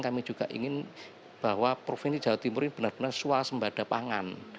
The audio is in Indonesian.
kami juga ingin bahwa provinsi jawa timur ini benar benar swasembada pangan